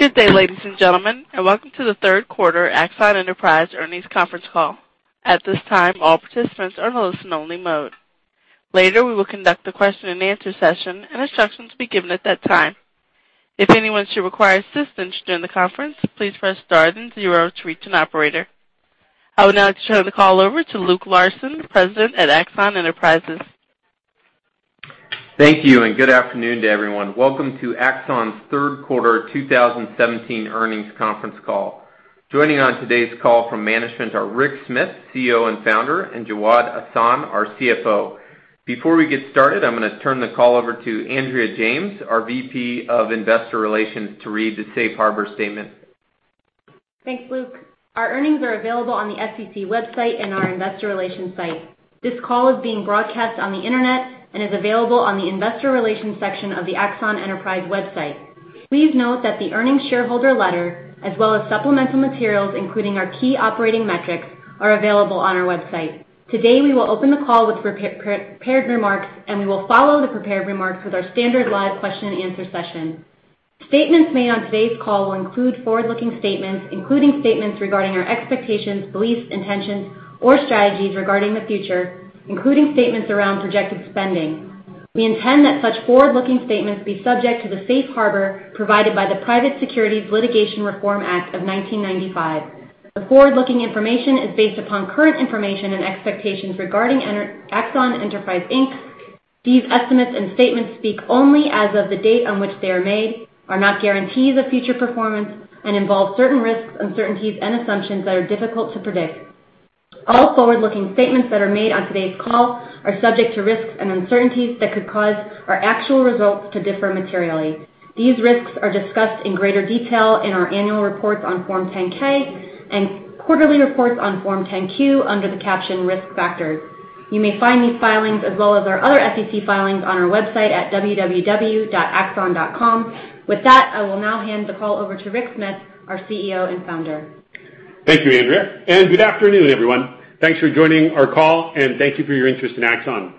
Good day, ladies and gentlemen, welcome to the third quarter Axon Enterprise Earnings conference call. At this time, all participants are in listen only mode. Later, we will conduct a question and answer session, instructions will be given at that time. If anyone should require assistance during the conference, please press star then zero to reach an operator. I would now like to turn the call over to Luke Larson, President at Axon Enterprise. Thank you, good afternoon to everyone. Welcome to Axon's third quarter 2017 earnings conference call. Joining on today's call from management are Rick Smith, CEO and Founder, Jawad Ahsan, our CFO. Before we get started, I'm going to turn the call over to Andrea James, our VP of Investor Relations, to read the safe harbor statement. Thanks, Luke. Our earnings are available on the SEC website and our investor relations site. This call is being broadcast on the Internet and is available on the investor relations section of the Axon Enterprise website. Please note that the earnings shareholder letter, as well as supplemental materials, including our key operating metrics, are available on our website. Today, we will open the call with prepared remarks, we will follow the prepared remarks with our standard live question and answer session. Statements made on today's call will include forward-looking statements, including statements regarding our expectations, beliefs, intentions, or strategies regarding the future, including statements around projected spending. We intend that such forward-looking statements be subject to the safe harbor provided by the Private Securities Litigation Reform Act of 1995. The forward-looking information is based upon current information and expectations regarding Axon Enterprise Inc. These estimates and statements speak only as of the date on which they are made, are not guarantees of future performance, involve certain risks, uncertainties, and assumptions that are difficult to predict. All forward-looking statements that are made on today's call are subject to risks and uncertainties that could cause our actual results to differ materially. These risks are discussed in greater detail in our annual reports on Form 10-K and quarterly reports on Form 10-Q under the caption Risk Factors. You may find these filings as well as our other SEC filings on our website at www.axon.com. With that, I will now hand the call over to Rick Smith, our CEO and founder. Thank you, Andrea, and good afternoon, everyone. Thanks for joining our call, and thank you for your interest in Axon.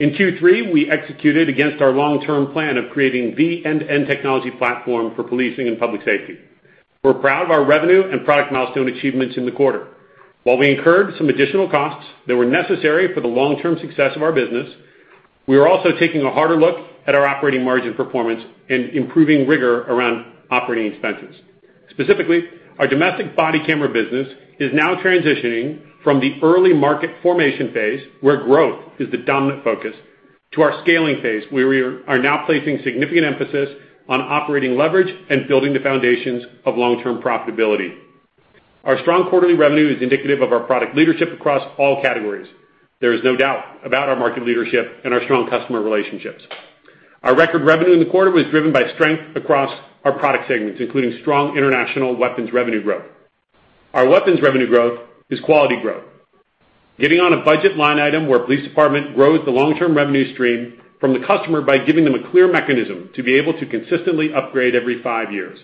In Q3, we executed against our long-term plan of creating the end-to-end technology platform for policing and public safety. We're proud of our revenue and product milestone achievements in the quarter. While we incurred some additional costs that were necessary for the long-term success of our business, we are also taking a harder look at our operating margin performance and improving rigor around operating expenses. Specifically, our domestic body camera business is now transitioning from the early market formation phase, where growth is the dominant focus, to our scaling phase, where we are now placing significant emphasis on operating leverage and building the foundations of long-term profitability. Our strong quarterly revenue is indicative of our product leadership across all categories. There is no doubt about our market leadership and our strong customer relationships. Our record revenue in the quarter was driven by strength across our product segments, including strong international weapons revenue growth. Our weapons revenue growth is quality growth. Getting on a budget line item where a police department grows the long-term revenue stream from the customer by giving them a clear mechanism to be able to consistently upgrade every five years.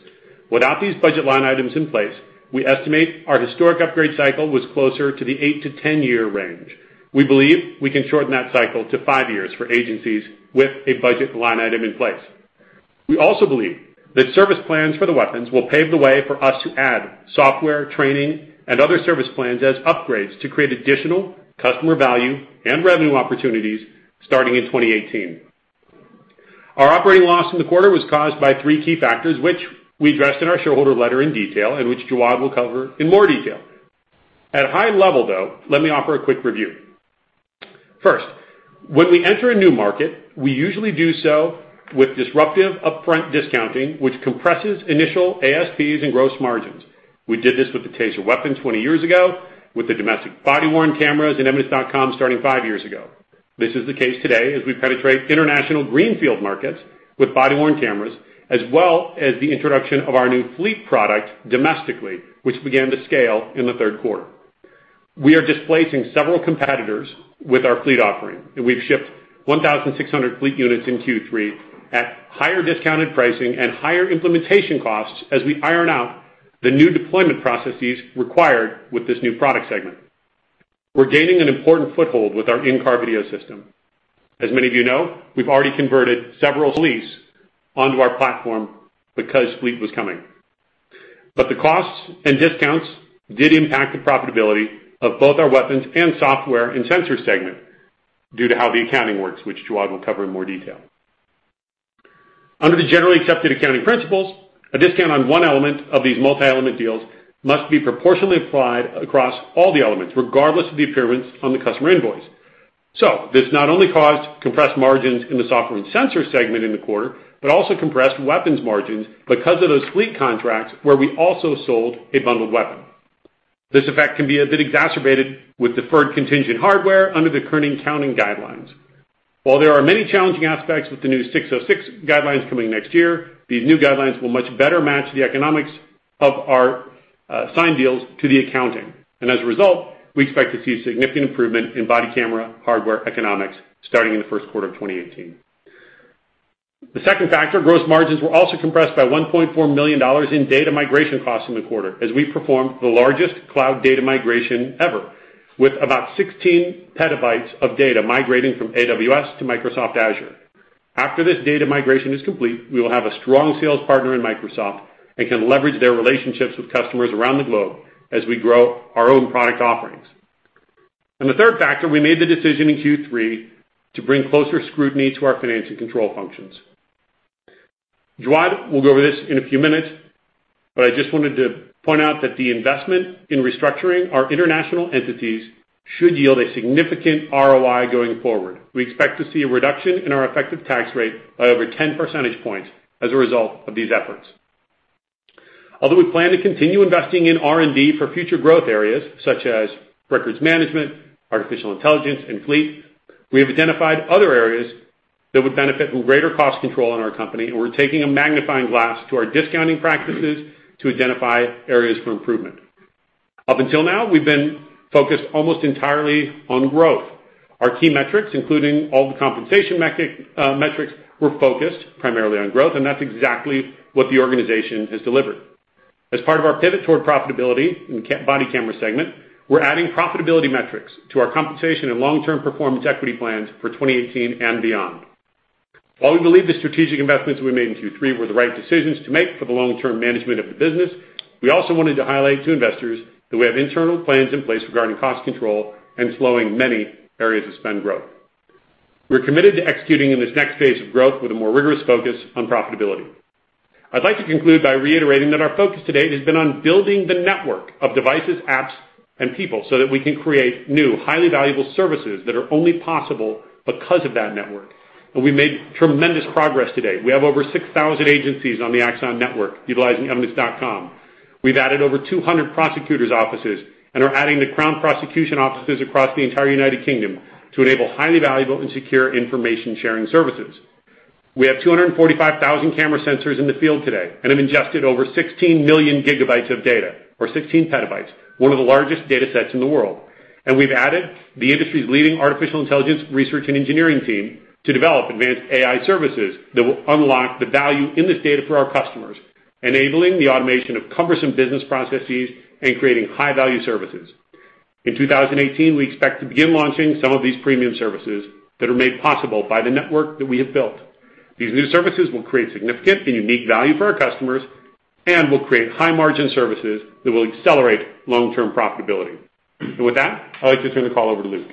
Without these budget line items in place, we estimate our historic upgrade cycle was closer to the eight to 10-year range. We believe we can shorten that cycle to five years for agencies with a budget line item in place. We also believe that service plans for the weapons will pave the way for us to add software, training, and other service plans as upgrades to create additional customer value and revenue opportunities starting in 2018. Our operating loss in the quarter was caused by three key factors, which we addressed in our shareholder letter in detail and which Jawad will cover in more detail. At a high level, though, let me offer a quick review. First, when we enter a new market, we usually do so with disruptive upfront discounting, which compresses initial ASPs and gross margins. We did this with the TASER weapon 20 years ago, with the domestic body-worn cameras in Evidence.com starting five years ago. This is the case today as we penetrate international greenfield markets with body-worn cameras, as well as the introduction of our new fleet product domestically, which began to scale in the third quarter. We are displacing several competitors with our fleet offering, and we've shipped 1,600 fleet units in Q3 at higher discounted pricing and higher implementation costs as we iron out the new deployment processes required with this new product segment. We're gaining an important foothold with our in-car video system. As many of you know, we've already converted several police onto our platform because Fleet was coming. The costs and discounts did impact the profitability of both our weapons and software and sensor segment due to how the accounting works, which Jawad will cover in more detail. Under the generally accepted accounting principles, a discount on one element of these multi-element deals must be proportionally applied across all the elements, regardless of the appearance on the customer invoice. This not only caused compressed margins in the software and sensor segment in the quarter, but also compressed weapons margins because of those fleet contracts where we also sold a bundled weapon. This effect can be a bit exacerbated with deferred contingent hardware under the current accounting guidelines. While there are many challenging aspects with the new ASC 606 guidelines coming next year, these new guidelines will much better match the economics of our signed deals to the accounting. As a result, we expect to see significant improvement in body camera hardware economics starting in the first quarter of 2018. The second factor, gross margins, were also compressed by $1.4 million in data migration costs in the quarter as we performed the largest cloud data migration ever, with about 16 petabytes of data migrating from AWS to Microsoft Azure. After this data migration is complete, we will have a strong sales partner in Microsoft and can leverage their relationships with customers around the globe as we grow our own product offerings. The third factor, we made the decision in Q3 to bring closer scrutiny to our finance and control functions. Jawad will go over this in a few minutes, but I just wanted to point out that the investment in restructuring our international entities should yield a significant ROI going forward. We expect to see a reduction in our effective tax rate by over 10 percentage points as a result of these efforts. Although we plan to continue investing in R&D for future growth areas such as records management, artificial intelligence, and fleet, we have identified other areas that would benefit from greater cost control in our company, we're taking a magnifying glass to our discounting practices to identify areas for improvement. Up until now, we've been focused almost entirely on growth. Our key metrics, including all the compensation metrics, were focused primarily on growth, that's exactly what the organization has delivered. As part of our pivot toward profitability in the body camera segment, we're adding profitability metrics to our compensation and long-term performance equity plans for 2018 and beyond. While we believe the strategic investments we made in Q3 were the right decisions to make for the long-term management of the business, we also wanted to highlight to investors that we have internal plans in place regarding cost control and slowing many areas of spend growth. We're committed to executing in this next phase of growth with a more rigorous focus on profitability. I'd like to conclude by reiterating that our focus to date has been on building the network of devices, apps, and people so that we can create new, highly valuable services that are only possible because of that network. We made tremendous progress to date. We have over 6,000 agencies on the Axon network utilizing Evidence.com. We've added over 200 prosecutors' offices and are adding the Crown Prosecution offices across the entire United Kingdom to enable highly valuable and secure information sharing services. We have 245,000 camera sensors in the field today and have ingested over 16 million gigabytes of data, or 16 petabytes, one of the largest data sets in the world. We've added the industry's leading artificial intelligence research and engineering team to develop advanced AI services that will unlock the value in this data for our customers, enabling the automation of cumbersome business processes and creating high-value services. In 2018, we expect to begin launching some of these premium services that are made possible by the network that we have built. These new services will create significant and unique value for our customers and will create high-margin services that will accelerate long-term profitability. With that, I'd like to turn the call over to Luke.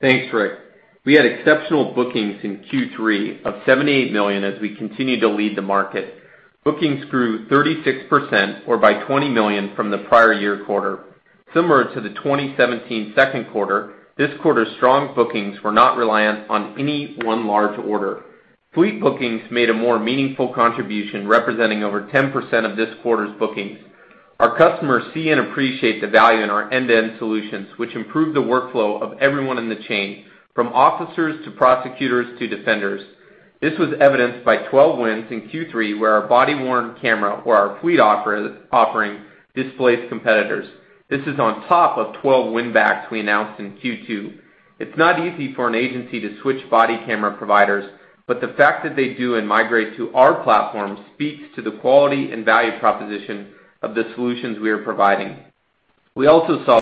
Thanks, Rick. We had exceptional bookings in Q3 of $78 million as we continue to lead the market. Bookings grew 36%, or by $20 million from the prior year quarter. Similar to the 2017 second quarter, this quarter's strong bookings were not reliant on any one large order. Fleet bookings made a more meaningful contribution, representing over 10% of this quarter's bookings. Our customers see and appreciate the value in our end-to-end solutions, which improve the workflow of everyone in the chain, from officers to prosecutors to defenders. This was evidenced by 12 wins in Q3 where our body-worn camera or our fleet offering displaced competitors. This is on top of 12 win-backs we announced in Q2. It's not easy for an agency to switch body camera providers, the fact that they do and migrate to our platform speaks to the quality and value proposition of the solutions we are providing. We also saw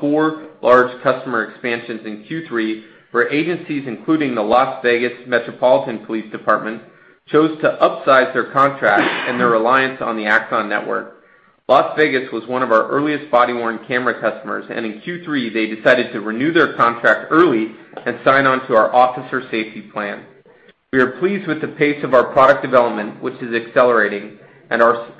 four large customer expansions in Q3, where agencies, including the Las Vegas Metropolitan Police Department, chose to upsize their contracts and their reliance on the Axon network. Las Vegas was one of our earliest body-worn camera customers, in Q3, they decided to renew their contract early and sign on to our Officer Safety Plan. We are pleased with the pace of our product development, which is accelerating, and our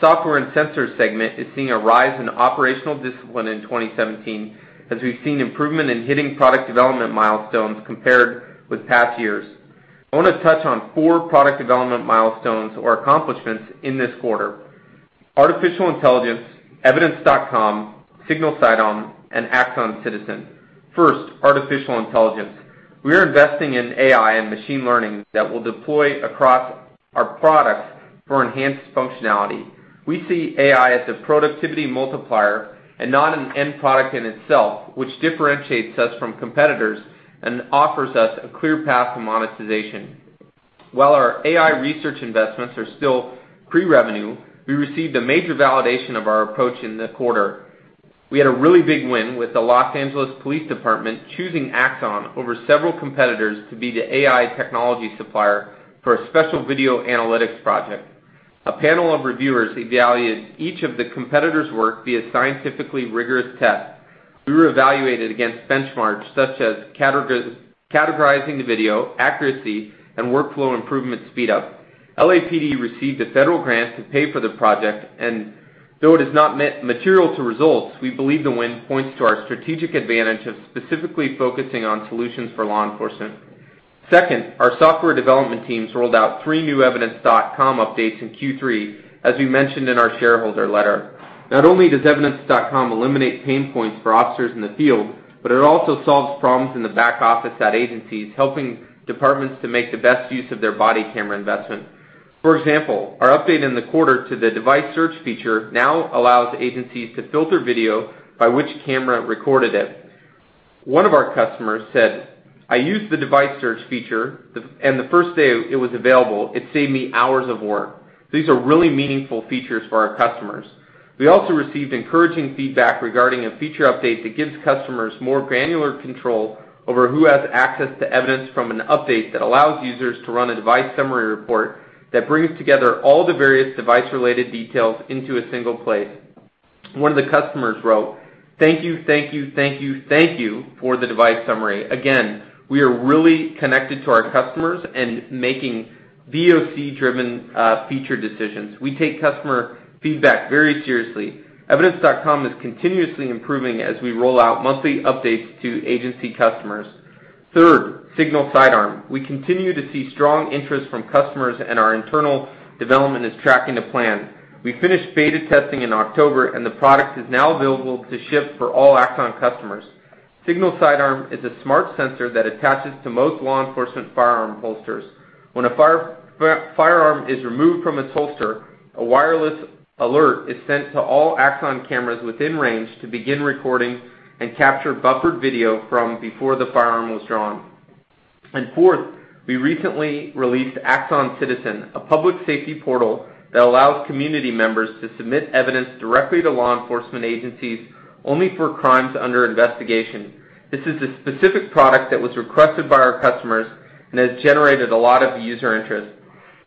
software and sensor segment is seeing a rise in operational discipline in 2017 as we've seen improvement in hitting product development milestones compared with past years. I want to touch on four product development milestones or accomplishments in this quarter: Artificial intelligence, Evidence.com, Signal Sidearm, and Axon Citizen. First, artificial intelligence. We are investing in AI and machine learning that will deploy across our products for enhanced functionality. We see AI as a productivity multiplier and not an end product in itself, which differentiates us from competitors and offers us a clear path to monetization. While our AI research investments are still pre-revenue, we received a major validation of our approach in the quarter. We had a really big win with the Los Angeles Police Department choosing Axon over several competitors to be the AI technology supplier for a special video analytics project. A panel of reviewers evaluated each of the competitors' work via scientifically rigorous tests. We were evaluated against benchmarks such as categorizing the video, accuracy, and workflow improvement speed-up. LAPD received a federal grant to pay for the project, and though it is not material to results, we believe the win points to our strategic advantage of specifically focusing on solutions for law enforcement. Second, our software development teams rolled out three new Evidence.com updates in Q3, as we mentioned in our shareholder letter. Not only does Evidence.com eliminate pain points for officers in the field, but it also solves problems in the back office at agencies, helping departments to make the best use of their body camera investment. For example, our update in the quarter to the device search feature now allows agencies to filter video by which camera recorded it. One of our customers said, "I used the device search feature, and the first day it was available, it saved me hours of work." These are really meaningful features for our customers. We also received encouraging feedback regarding a feature update that gives customers more granular control over who has access to evidence from an update that allows users to run a device summary report that brings together all the various device-related details into a single place. One of the customers wrote, "Thank you. Thank you for the device summary." Again, we are really connected to our customers and making VOC-driven feature decisions. We take customer feedback very seriously. Evidence.com is continuously improving as we roll out monthly updates to agency customers. Third, Signal Sidearm. We continue to see strong interest from customers, and our internal development is tracking to plan. We finished beta testing in October, and the product is now available to ship for all Axon customers. Signal Sidearm is a smart sensor that attaches to most law enforcement firearm holsters. When a firearm is removed from its holster, a wireless alert is sent to all Axon cameras within range to begin recording and capture buffered video from before the firearm was drawn. Fourth, we recently released Axon Citizen, a public safety portal that allows community members to submit evidence directly to law enforcement agencies only for crimes under investigation. This is a specific product that was requested by our customers and has generated a lot of user interest.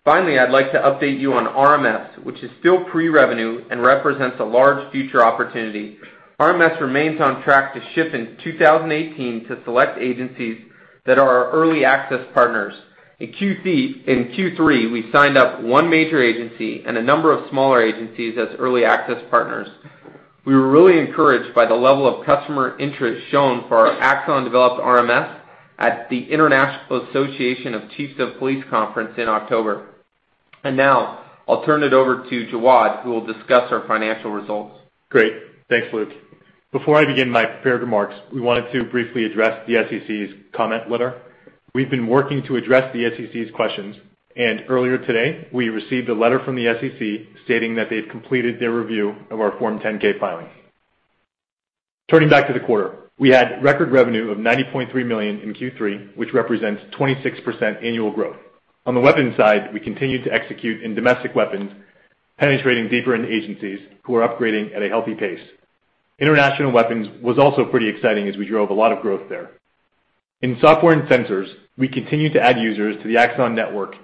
Finally, I'd like to update you on RMS, which is still pre-revenue and represents a large future opportunity. RMS remains on track to ship in 2018 to select agencies that are our early access partners. In Q3, we signed up one major agency and a number of smaller agencies as early access partners. We were really encouraged by the level of customer interest shown for our Axon-developed RMS at the International Association of Chiefs of Police Conference in October. Now I'll turn it over to Jawad, who will discuss our financial results. Great. Thanks, Luke. Before I begin my prepared remarks, we wanted to briefly address the SEC's comment letter. We've been working to address the SEC's questions. Earlier today, we received a letter from the SEC stating that they've completed their review of our Form 10-K filing. Turning back to the quarter, we had record revenue of $90.3 million in Q3, which represents 26% annual growth. On the weapons side, we continued to execute in domestic weapons, penetrating deeper into agencies who are upgrading at a healthy pace. International weapons was also pretty exciting as we drove a lot of growth there. In software and sensors, we continued to add users to the Axon Network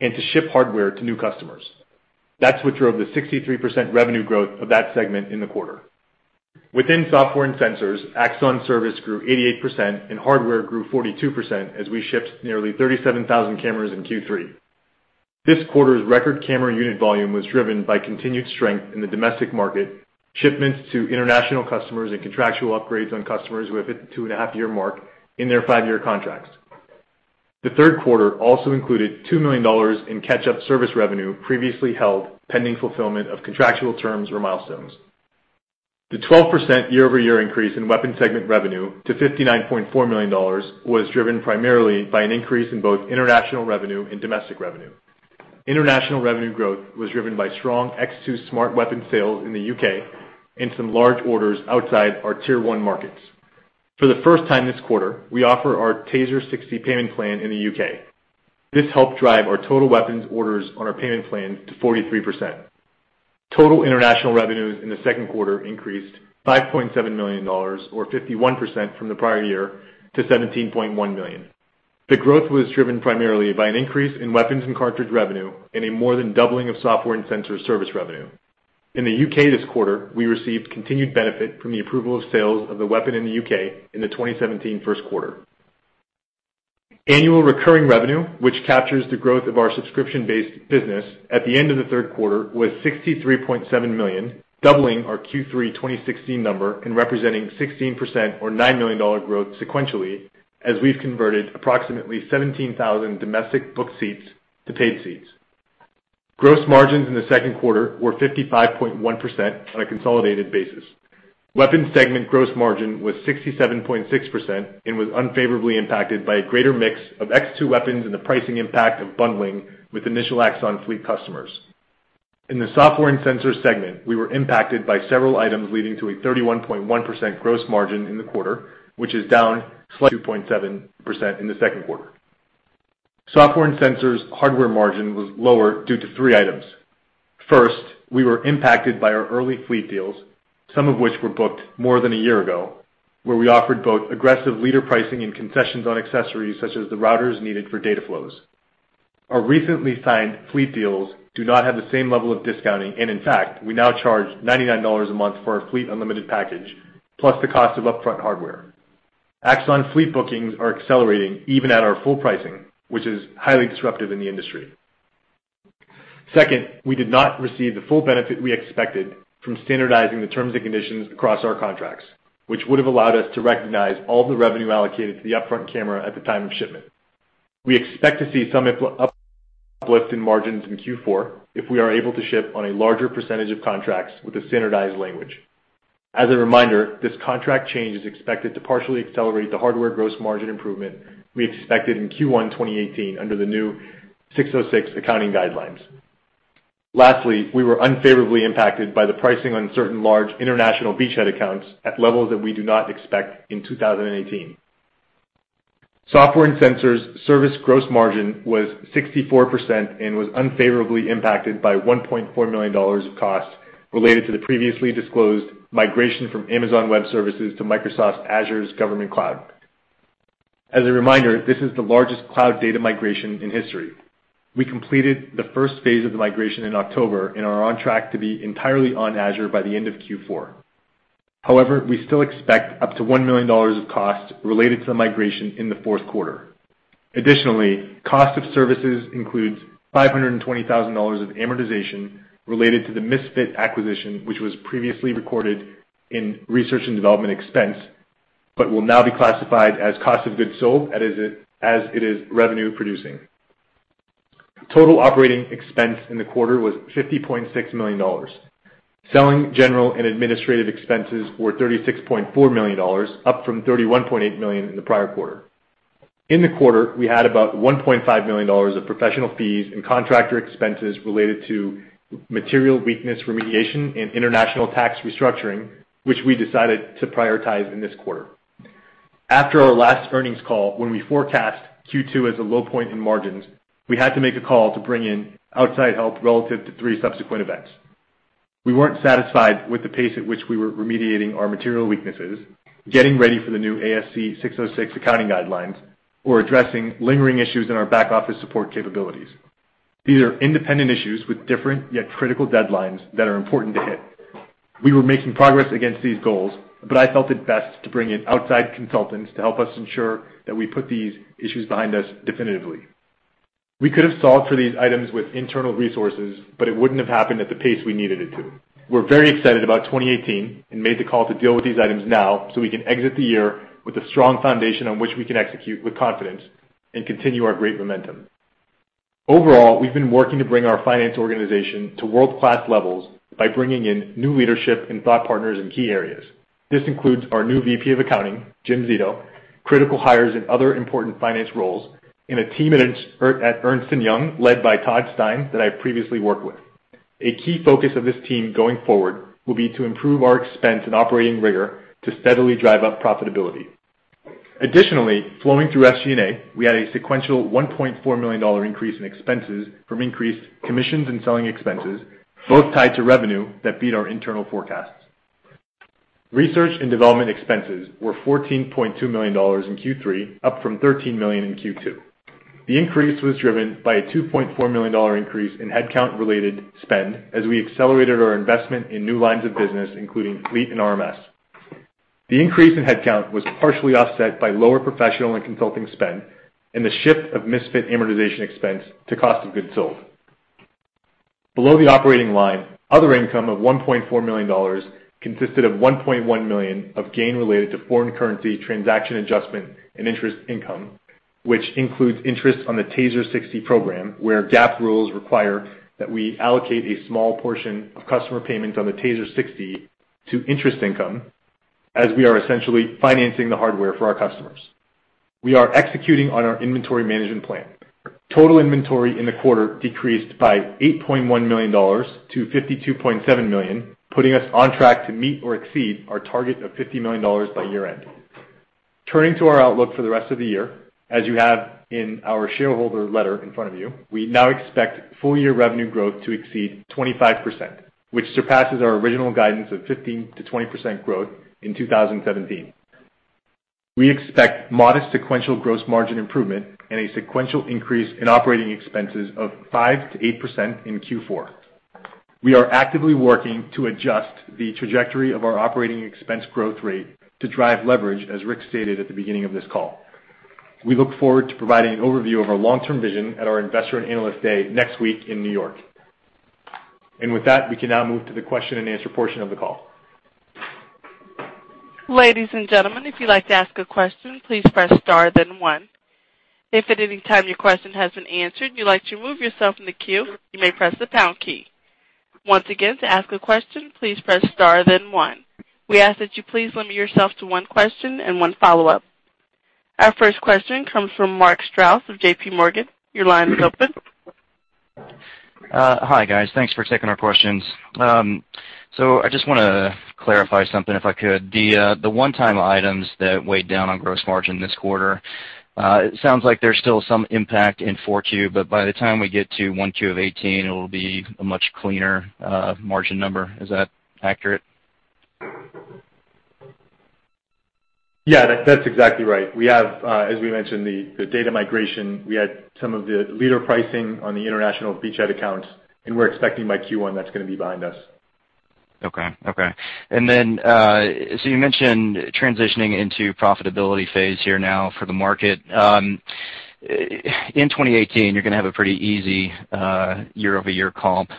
and to ship hardware to new customers. That's what drove the 63% revenue growth of that segment in the quarter. Within software and sensors, Axon service grew 88%, and hardware grew 42% as we shipped nearly 37,000 cameras in Q3. This quarter's record camera unit volume was driven by continued strength in the domestic market, shipments to international customers, and contractual upgrades on customers who hit the 2.5-year mark in their 5-year contracts. The third quarter also included $2 million in catch-up service revenue previously held pending fulfillment of contractual terms or milestones. The 12% year-over-year increase in weapons segment revenue to $59.4 million was driven primarily by an increase in both international revenue and domestic revenue. International revenue growth was driven by strong TASER X2 smart weapon sales in the U.K. and some large orders outside our tier 1 markets. For the first time this quarter, we offer our TASER 60 payment plan in the U.K. This helped drive our total weapons orders on our payment plan to 43%. Total international revenues in the second quarter increased to $5.7 million or 51% from the prior year to $17.1 million. The growth was driven primarily by an increase in weapons and cartridge revenue and a more than doubling of software and sensor service revenue. In the U.K. this quarter, we received continued benefit from the approval of sales of the weapon in the U.K. in the 2017 first quarter. Annual recurring revenue, which captures the growth of our subscription-based business at the end of the third quarter, was $63.7 million, doubling our Q3 2016 number and representing 16% or $9 million growth sequentially as we've converted approximately 17,000 domestic booked seats to paid seats. Gross margins in the second quarter were 55.1% on a consolidated basis. Weapons segment gross margin was 67.6% and was unfavorably impacted by a greater mix of TASER X2 weapons and the pricing impact of bundling with initial Axon Fleet customers. In the software and sensor segment, we were impacted by several items leading to a 31.1% gross margin in the quarter, which is down slightly 2.7% in the second quarter. Software and sensors hardware margin was lower due to three items. First, we were impacted by our early Axon Fleet deals, some of which were booked more than a year ago, where we offered both aggressive leader pricing and concessions on accessories such as the routers needed for data flows. Our recently signed Fleet deals do not have the same level of discounting. In fact, we now charge $99 a month for our Fleet unlimited package, plus the cost of upfront hardware. Axon Fleet bookings are accelerating even at our full pricing, which is highly disruptive in the industry. We did not receive the full benefit we expected from standardizing the terms and conditions across our contracts, which would have allowed us to recognize all the revenue allocated to the upfront camera at the time of shipment. We expect to see some uplift in margins in Q4 if we are able to ship on a larger percentage of contracts with a standardized language. This contract change is expected to partially accelerate the hardware gross margin improvement we expected in Q1 2018 under the new ASC 606 accounting guidelines. We were unfavorably impacted by the pricing on certain large international beachhead accounts at levels that we do not expect in 2018. Software and sensors service gross margin was 64% and was unfavorably impacted by $1.4 million of costs related to the previously disclosed migration from Amazon Web Services to Microsoft's Azure Government Cloud. This is the largest cloud data migration in history. We completed the first phase of the migration in October and are on track to be entirely on Azure by the end of Q4. We still expect up to $1 million of costs related to the migration in the fourth quarter. Cost of services includes $520,000 of amortization related to the Misfit acquisition, which was previously recorded in research and development expense, but will now be classified as cost of goods sold as it is revenue producing. Total operating expense in the quarter was $50.6 million. Selling, general, and administrative expenses were $36.4 million, up from $31.8 million in the prior quarter. In the quarter, we had about $1.5 million of professional fees and contractor expenses related to material weakness remediation and international tax restructuring, which we decided to prioritize in this quarter. After our last earnings call, when we forecast Q2 as a low point in margins, we had to make a call to bring in outside help relative to three subsequent events. We weren't satisfied with the pace at which we were remediating our material weaknesses, getting ready for the new ASC 606 accounting guidelines, or addressing lingering issues in our back office support capabilities. These are independent issues with different yet critical deadlines that are important to hit. We were making progress against these goals, but I felt it best to bring in outside consultants to help us ensure that we put these issues behind us definitively. We could have solved for these items with internal resources, but it wouldn't have happened at the pace we needed it to. We're very excited about 2018 and made the call to deal with these items now, so we can exit the year with a strong foundation on which we can execute with confidence and continue our great momentum. We've been working to bring our finance organization to world-class levels by bringing in new leadership and thought partners in key areas. This includes our new VP of Accounting, Jim Zito, critical hires in other important finance roles, and a team at Ernst & Young led by Todd Stein that I've previously worked with. A key focus of this team going forward will be to improve our expense and operating rigor to steadily drive up profitability. Additionally, flowing through (FC&A), we had a sequential $1.4 million increase in expenses from increased commissions and selling expenses, both tied to revenue that beat our internal forecasts. Research and development expenses were $14.2 million in Q3, up from $13 million in Q2. The increase was driven by a $2.4 million increase in headcount-related spend as we accelerated our investment in new lines of business, including fleet and RMS. The increase in headcount was partially offset by lower professional and consulting spend and the shift of Misfit amortization expense to cost of goods sold. Below the operating line, other income of $1.4 million consisted of $1.1 million of gain related to foreign currency transaction adjustment and interest income, which includes interest on the TASER 6C program, where GAAP rules require that we allocate a small portion of customer payments on the TASER 6C to interest income, as we are essentially financing the hardware for our customers. We are executing on our inventory management plan. Total inventory in the quarter decreased by $8.1 million to $52.7 million, putting us on track to meet or exceed our target of $50 million by year-end. Turning to our outlook for the rest of the year, as you have in our shareholder letter in front of you, we now expect full-year revenue growth to exceed 25%, which surpasses our original guidance of 15%-20% growth in 2017. We expect modest sequential gross margin improvement and a sequential increase in operating expenses of 5%-8% in Q4. We are actively working to adjust the trajectory of our operating expense growth rate to drive leverage, as Rick stated at the beginning of this call. We look forward to providing an overview of our long-term vision at our Investor and Analyst Day next week in New York. With that, we can now move to the question and answer portion of the call. Ladies and gentlemen, if you'd like to ask a question, please press star then one. If at any time your question has been answered and you'd like to remove yourself from the queue, you may press the pound key. Once again, to ask a question, please press star then one. We ask that you please limit yourself to one question and one follow-up. Our first question comes from Mark Strouse of J.P. Morgan. Your line is open. Hi, guys. Thanks for taking our questions. I just want to clarify something if I could. The one-time items that weighed down on gross margin this quarter, it sounds like there is still some impact in 4Q, but by the time we get to 1Q of 2018, it will be a much cleaner margin number. Is that accurate? Yeah. That is exactly right. We have, as we mentioned, the data migration. We had some of the leader pricing on the international beachhead accounts. We are expecting by Q1 that is going to be behind us. Okay. You mentioned transitioning into profitability phase here now for the market. In 2018, you are going to have a pretty easy year-over-year comp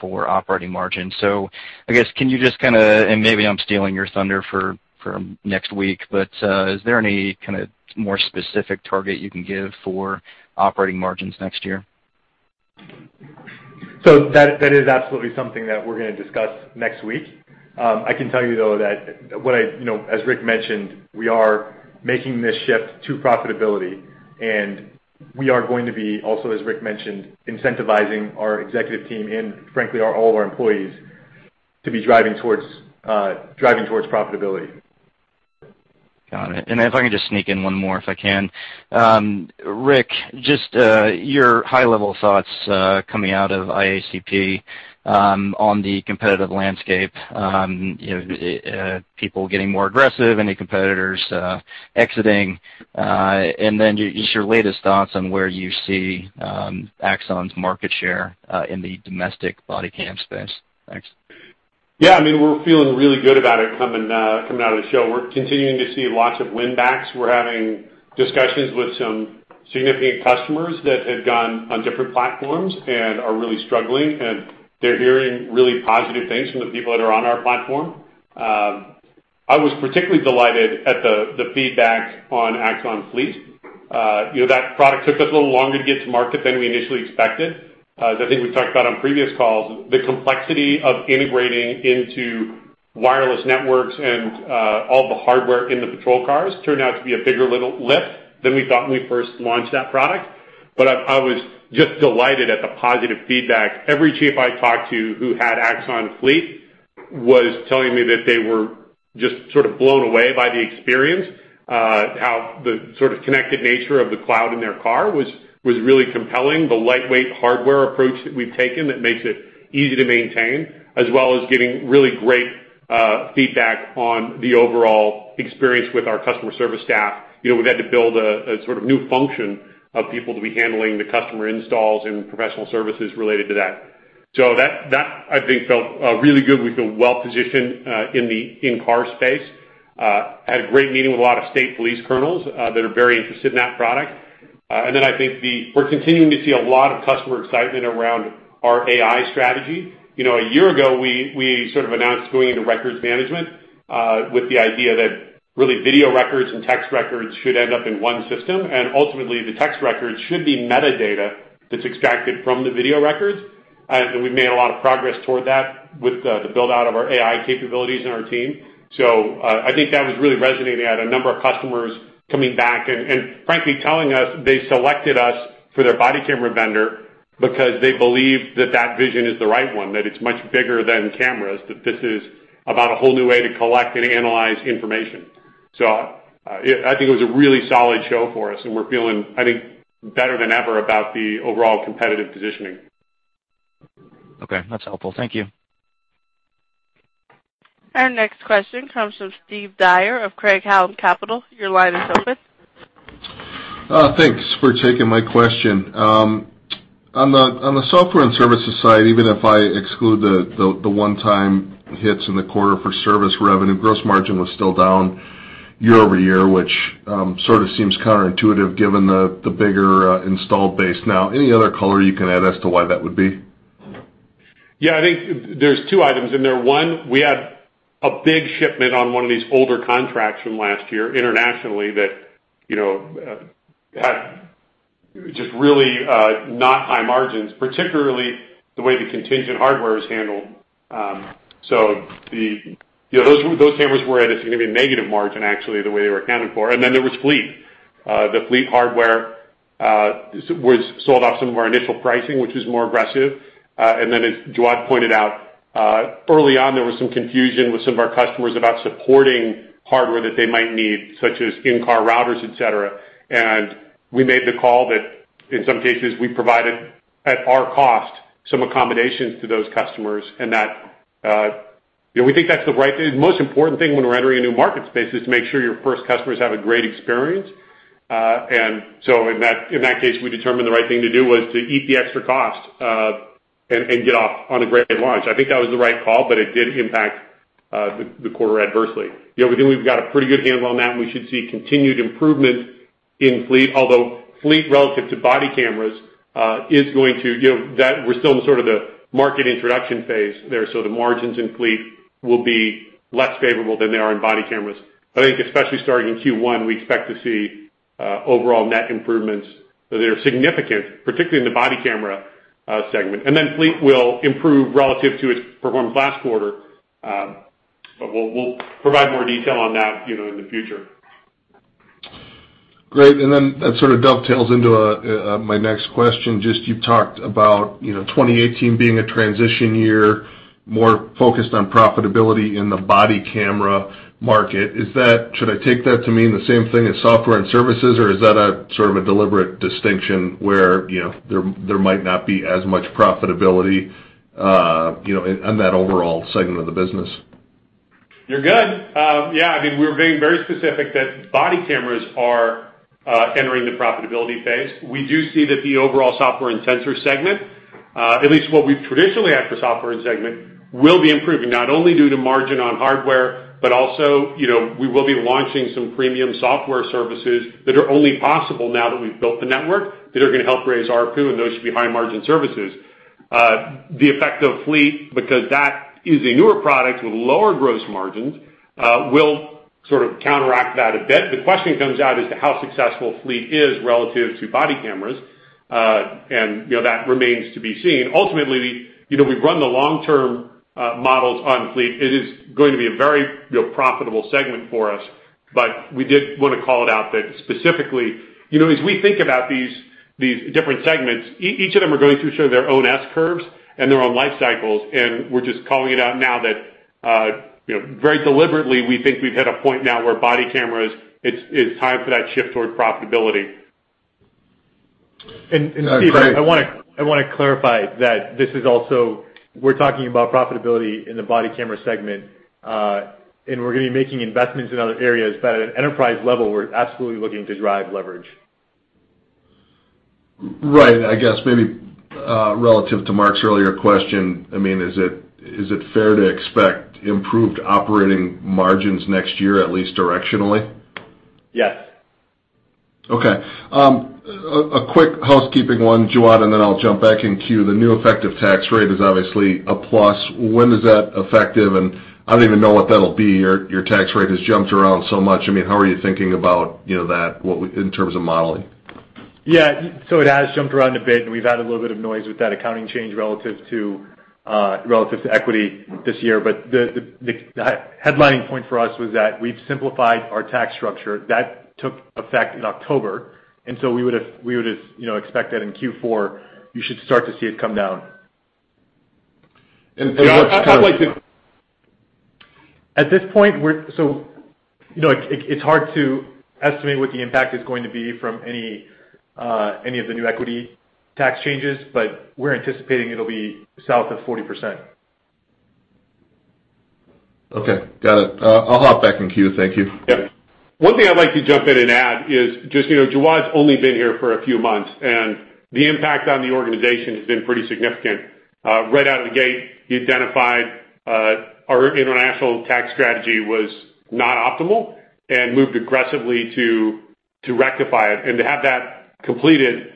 for operating margin. I guess, can you just kind of, maybe I am stealing your thunder for next week, is there any kind of more specific target you can give for operating margins next year? That is absolutely something that we are going to discuss next week. I can tell you though that as Rick mentioned, we are making this shift to profitability, and we are going to be also, as Rick mentioned, incentivizing our executive team and frankly, all our employees to be driving towards profitability. Got it. If I can just sneak in one more, if I can. Rick, just your high-level thoughts coming out of IACP on the competitive landscape, people getting more aggressive, any competitors exiting, then just your latest thoughts on where you see Axon's market share in the domestic body cam space. Thanks. Yeah, we're feeling really good about it coming out of the show. We're continuing to see lots of win backs. We're having discussions with some significant customers that have gone on different platforms and are really struggling, and they're hearing really positive things from the people that are on our platform. I was particularly delighted at the feedback on Axon Fleet. That product took us a little longer to get to market than we initially expected. As I think we've talked about on previous calls, the complexity of integrating into wireless networks and all the hardware in the patrol cars turned out to be a bigger lift than we thought when we first launched that product. I was just delighted at the positive feedback. Every chief I talked to who had Axon Fleet was telling me that they were just sort of blown away by the experience, how the sort of connected nature of the cloud in their car was really compelling. The lightweight hardware approach that we've taken that makes it easy to maintain, as well as getting really great feedback on the overall experience with our customer service staff. We've had to build a sort of new function of people to be handling the customer installs and professional services related to that. That I think felt really good. We feel well-positioned in the in-car space. Had a great meeting with a lot of state police colonels that are very interested in that product. Then I think we're continuing to see a lot of customer excitement around our AI strategy. A year ago, we sort of announced going into records management, with the idea that really video records and text records should end up in one system, and ultimately the text records should be metadata that's extracted from the video records. We've made a lot of progress toward that with the build-out of our AI capabilities in our team. I think that was really resonating. I had a number of customers coming back and frankly telling us they selected us for their body camera vendor because they believe that vision is the right one, that it's much bigger than cameras, that this is about a whole new way to collect and analyze information. I think it was a really solid show for us, and we're feeling, I think, better than ever about the overall competitive positioning. That's helpful. Thank you. Our next question comes from Steve Dyer of Craig-Hallum Capital. Your line is open. Thanks for taking my question. On the software and services side, even if I exclude the one-time hits in the quarter for service revenue, gross margin was still down year-over-year, which sort of seems counterintuitive given the bigger install base now. Any other color you can add as to why that would be? Yeah, I think there's two items in there. One, we had a big shipment on one of these older contracts from last year internationally that had just really not high margins, particularly the way the contingent hardware is handled. Those cameras were at a significantly negative margin, actually, the way they were accounted for. There was Axon Fleet. The Axon Fleet hardware was sold off some of our initial pricing, which was more aggressive. As Jawad Ahsan pointed out, early on, there was some confusion with some of our customers about supporting hardware that they might need, such as in-car routers, et cetera. We made the call that in some cases, we provided at our cost, some accommodations to those customers, and we think that's the right thing. The most important thing when we're entering a new market space is to make sure your first customers have a great experience. In that case, we determined the right thing to do was to eat the extra cost, and get off on a great launch. I think that was the right call, it did impact the quarter adversely. We think we've got a pretty good handle on that, and we should see continued improvement in Axon Fleet, although Axon Fleet relative to body cameras, we're still in the sort of the market introduction phase there. The margins in Axon Fleet will be less favorable than they are in body cameras. I think especially starting in Q1, we expect to see overall net improvements that are significant, particularly in the body camera segment. Axon Fleet will improve relative to its performance last quarter. We'll provide more detail on that in the future. Great, that sort of dovetails into my next question. Just, you talked about 2018 being a transition year, more focused on profitability in the body camera market. Should I take that to mean the same thing as software and services, or is that a sort of a deliberate distinction where there might not be as much profitability on that overall segment of the business? You're good. Yeah, we're being very specific that body cameras are entering the profitability phase. We do see that the overall software and sensor segment, at least what we've traditionally had for software and segment, will be improving, not only due to margin on hardware, but also we will be launching some premium software services that are only possible now that we've built the network, that are going to help raise ARPU, and those should be high-margin services. The effect of Fleet, because that is a newer product with lower gross margins, will sort of counteract that a bit. The question comes out as to how successful Fleet is relative to body cameras. That remains to be seen. Ultimately, we've run the long-term models on Fleet. It is going to be a very profitable segment for us. We did want to call it out that specifically, as we think about these different segments, each of them are going through sort of their own S-curves and their own life cycles. We're just calling it out now that very deliberately, we think we've hit a point now where body cameras, it's time for that shift toward profitability. Steve, I want to clarify that this is also, we're talking about profitability in the body camera segment. We're going to be making investments in other areas. At an enterprise level, we're absolutely looking to drive leverage. Right. I guess maybe, relative to Mark's earlier question, is it fair to expect improved operating margins next year, at least directionally? Yes. Okay. A quick housekeeping one, Jawad, then I'll jump back in queue. The new effective tax rate is obviously a plus. When is that effective? I don't even know what that'll be. Your tax rate has jumped around so much. How are you thinking about that in terms of modeling? Yeah. It has jumped around a bit, we've had a little bit of noise with that accounting change relative to equity this year. The headlining point for us was that we've simplified our tax structure. That took effect in October, we would expect that in Q4, you should start to see it come down. What's the- At this point, it's hard to estimate what the impact is going to be from any of the new equity tax changes, we're anticipating it'll be south of 40%. Okay, got it. I'll hop back in queue. Thank you. Yep. One thing I'd like to jump in and add is just, Jawad's only been here for a few months, and the impact on the organization has been pretty significant. Right out of the gate, he identified our international tax strategy was not optimal and moved aggressively to rectify it, and to have that completed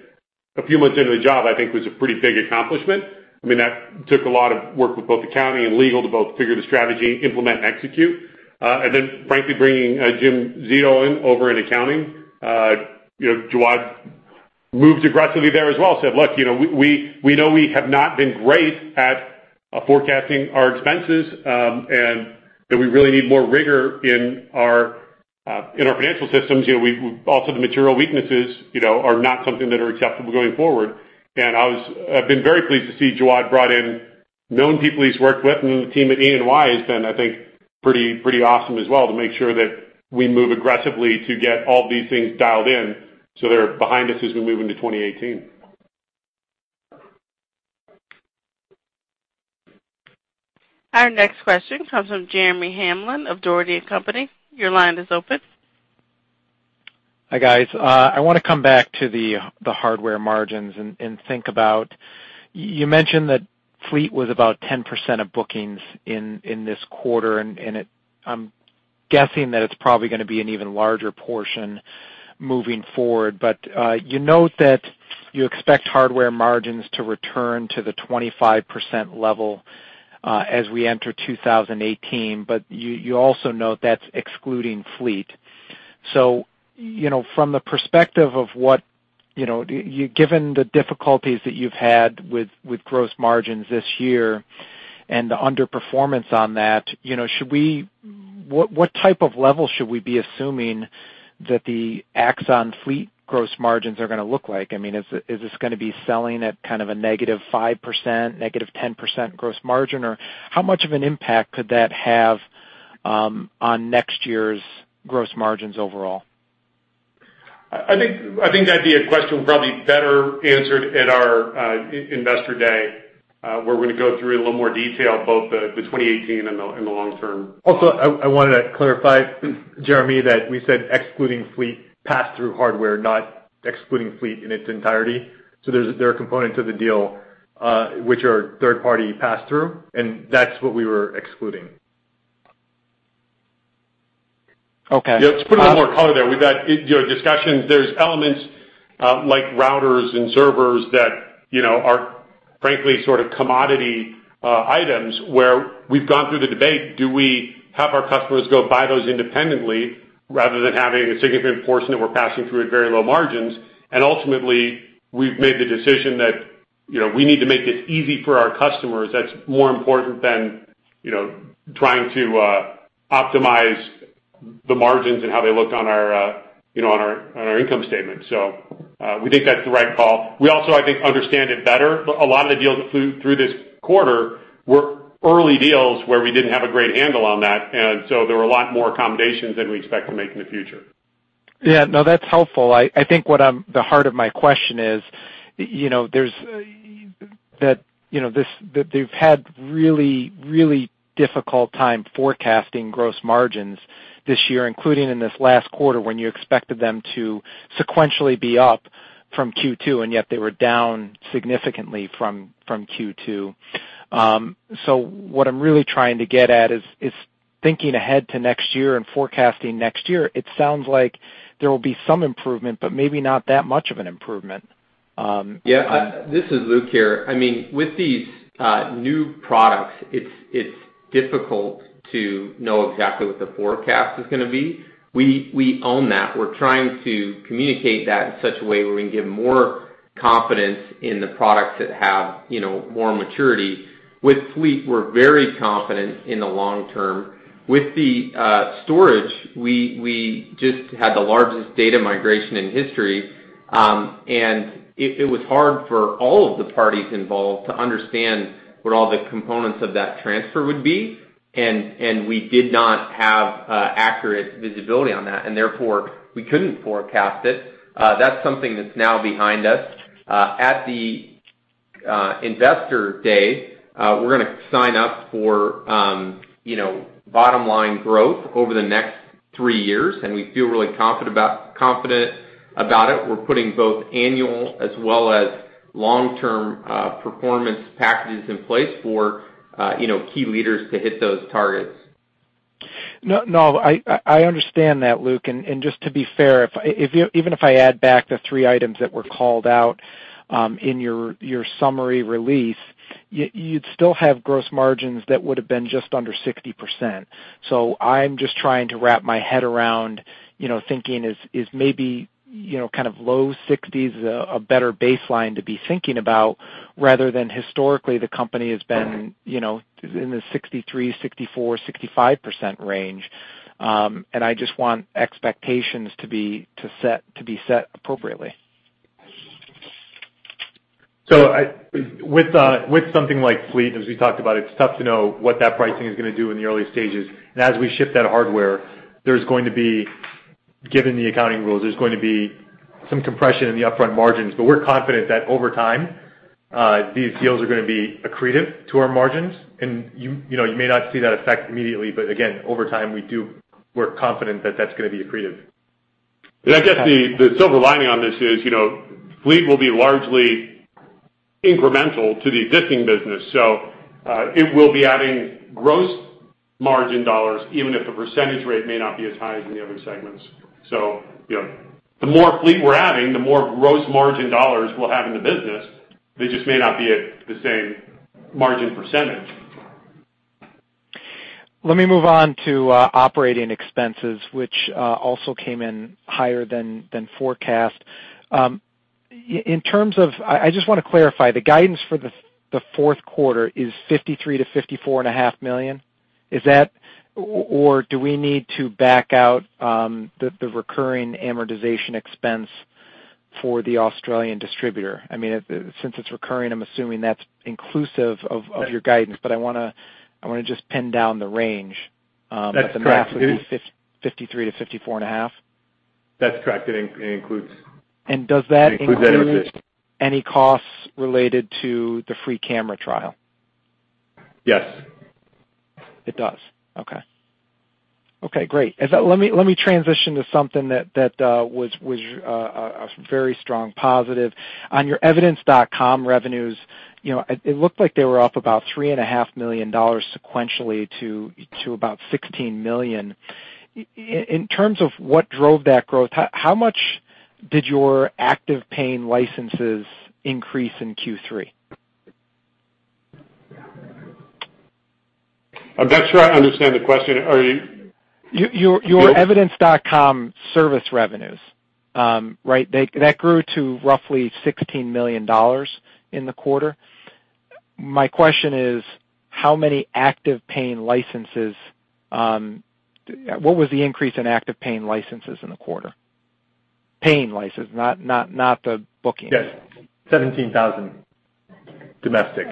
a few months into the job, I think was a pretty big accomplishment. That took a lot of work with both accounting and legal to both figure the strategy and implement and execute. Frankly, bringing Jim Zito in over in accounting. Jawad moved aggressively there as well, said, "Look, we know we have not been great at forecasting our expenses, and that we really need more rigor in our financial systems. Also the material weaknesses, are not something that are acceptable going forward." I've been very pleased to see Jawad brought in known people he's worked with, and the team at E&Y has been, I think, pretty awesome as well to make sure that we move aggressively to get all these things dialed in so they're behind us as we move into 2018. Our next question comes from Jeremy Hamblin of Dougherty & Company. Your line is open. Hi, guys. I want to come back to the hardware margins and think about, you mentioned that Fleet was about 10% of bookings in this quarter, and I'm guessing that it's probably going to be an even larger portion moving forward. You note that you expect hardware margins to return to the 25% level as we enter 2018. You also note that's excluding Fleet. From the perspective of what, given the difficulties that you've had with gross margins this year and the underperformance on that, what type of level should we be assuming that the Axon Fleet gross margins are going to look like? Is this going to be selling at kind of a negative 5%, negative 10% gross margin? How much of an impact could that have on next year's gross margins overall? I think that'd be a question probably better answered at our Investor Day, where we're going to go through in a little more detail both the 2018 and the long term. Also, I wanted to clarify, Jeremy, that we said excluding Fleet pass-through hardware, not excluding Fleet in its entirety. There are components of the deal, which are third-party pass-through, and that's what we were excluding. Okay. Yeah, to put a little more color there. We've had discussions. There's elements like routers and servers that are frankly sort of commodity items, where we've gone through the debate, do we have our customers go buy those independently rather than having a significant portion that we're passing through at very low margins? Ultimately, we've made the decision that we need to make this easy for our customers. That's more important than trying to optimize the margins and how they look on our income statement. We think that's the right call. We also, I think, understand it better. A lot of the deals through this quarter were early deals where we didn't have a great handle on that, and so there were a lot more accommodations than we expect to make in the future. No, that's helpful. I think the heart of my question is that they've had really difficult time forecasting gross margins this year, including in this last quarter when you expected them to sequentially be up from Q2, and yet they were down significantly from Q2. What I'm really trying to get at is thinking ahead to next year and forecasting next year. It sounds like there will be some improvement, but maybe not that much of an improvement. This is Luke here. With these new products, it's difficult to know exactly what the forecast is going to be. We own that. We're trying to communicate that in such a way where we can give more- Confidence in the products that have more maturity. With Fleet, we're very confident in the long term. With the storage, we just had the largest data migration in history, and it was hard for all of the parties involved to understand what all the components of that transfer would be, and we did not have accurate visibility on that and therefore we couldn't forecast it. That's something that's now behind us. At the investor day, we're going to sign up for bottom line growth over the next three years, and we feel really confident about it. We're putting both annual as well as long-term performance packages in place for key leaders to hit those targets. No, I understand that, Luke. Just to be fair, even if I add back the three items that were called out in your summary release, you'd still have gross margins that would have been just under 60%. I'm just trying to wrap my head around thinking is maybe kind of low 60s a better baseline to be thinking about, rather than historically the company has been- Right in the 63%, 64%, 65% range. I just want expectations to be set appropriately. With something like Fleet, as we talked about, it's tough to know what that pricing is going to do in the early stages. As we ship that hardware, given the accounting rules, there's going to be some compression in the upfront margins. We're confident that over time, these deals are going to be accretive to our margins. You may not see that effect immediately, but again, over time we're confident that that's going to be accretive. I guess the silver lining on this is Fleet will be largely incremental to the existing business. It will be adding gross margin dollars, even if the percentage rate may not be as high as in the other segments. The more Fleet we're adding, the more gross margin dollars we'll have in the business. They just may not be at the same margin percentage. Let me move on to operating expenses, which also came in higher than forecast. I just want to clarify, the guidance for the fourth quarter is $53 to $54.5 million? Or do we need to back out the recurring amortization expense for the Australian distributor? Since it's recurring, I'm assuming that's inclusive of your guidance, but I want to just pin down the range. That's correct. The math would be 53 to 54 and a half? That's correct. It includes that. Does that include any costs related to the free camera trial? Yes. It does? Okay. Okay, great. Let me transition to something that was a very strong positive. On your Evidence.com revenues, it looked like they were up about $3.5 million sequentially to about $16 million. In terms of what drove that growth, how much did your active paying licenses increase in Q3? I'm not sure I understand the question. Your Evidence.com service revenues. That grew to roughly $16 million in the quarter. My question is, what was the increase in active paying licenses in the quarter? Paying licenses, not the booking. Yes. 17,000 domestic.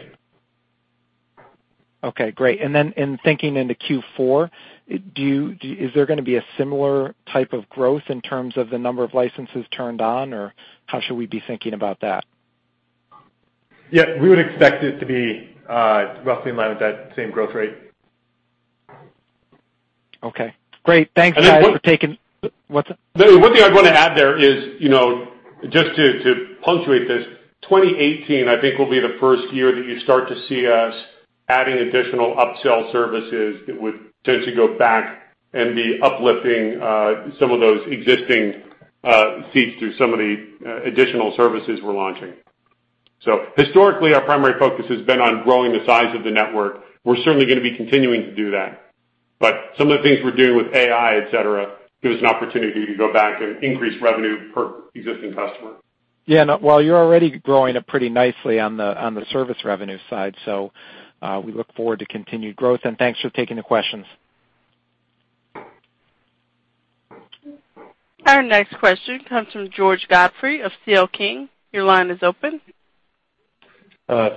Okay, great. Then, in thinking into Q4, is there going to be a similar type of growth in terms of the number of licenses turned on, or how should we be thinking about that? Yeah. We would expect it to be roughly in line with that same growth rate. Okay. Great. Thanks, guys for taking. What? One thing I'd want to add there is, just to punctuate this, 2018, I think, will be the first year that you start to see us adding additional upsell services that would tend to go back and be uplifting some of those existing seats through some of the additional services we're launching. Historically, our primary focus has been on growing the size of the network. We're certainly going to be continuing to do that. Some of the things we're doing with AI, et cetera, give us an opportunity to go back and increase revenue per existing customer. Yeah. Well, you're already growing up pretty nicely on the service revenue side. We look forward to continued growth, and thanks for taking the questions. Our next question comes from George Godfrey of C.L. King. Your line is open.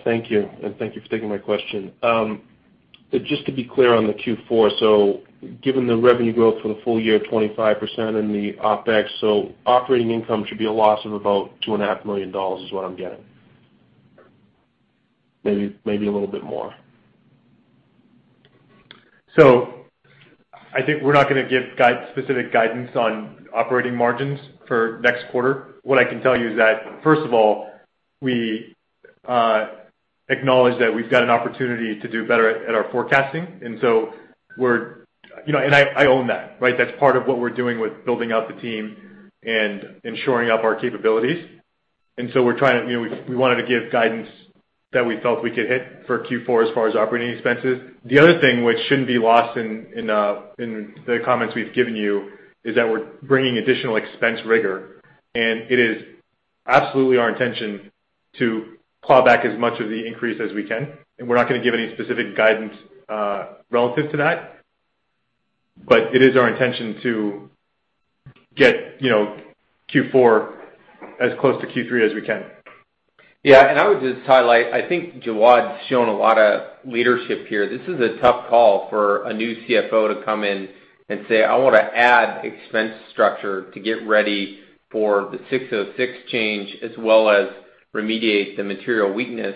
Thank you, and thank you for taking my question. Just to be clear on the Q4, given the revenue growth for the full year, 25% in the OpEx, operating income should be a loss of about $2.5 million is what I'm getting. Maybe a little bit more. I think we're not going to give specific guidance on operating margins for next quarter. What I can tell you is that, first of all, we acknowledge that we've got an opportunity to do better at our forecasting. I own that. That's part of what we're doing with building out the team and shoring up our capabilities. We wanted to give guidance that we felt we could hit for Q4 as far as operating expenses. The other thing which shouldn't be lost in the comments we've given you is that we're bringing additional expense rigor, it is absolutely our intention to claw back as much of the increase as we can. We're not going to give any specific guidance relative to that, it is our intention to get Q4 as close to Q3 as we can. Yeah. I would just highlight, I think Jawad's shown a lot of leadership here. This is a tough call for a new CFO to come in and say, "I want to add expense structure to get ready for the 606 change, as well as remediate the material weakness."